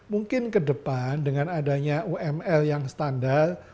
mungkin ke depan dengan adanya umr yang standar